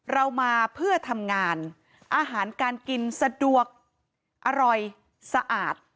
เรามาเพื่อทำงานอาหารการกินสะดวกอร่อยสะอาด